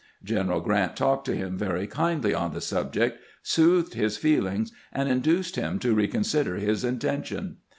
General Grant talked to him very kindly on the subject, soothed his feelings, and induced him to reconsider his intention.